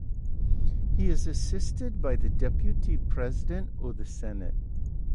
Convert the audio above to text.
He is assisted by the Deputy President of the Senate.